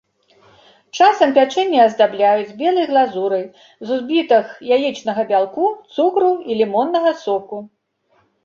Часам пячэнне аздабляюць белай глазурай з узбітых яечнага бялку, цукру і лімоннага соку.